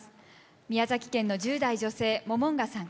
宮崎県の１０代・女性ももんがさん。